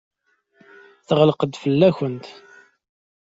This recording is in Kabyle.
Teɣleq-d fell-akent.